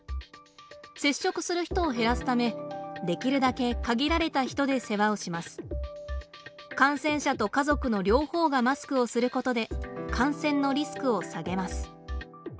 接触する人を減らすためできるだけ感染者と家族の両方がマスクをすることで感染のリスクを下げます。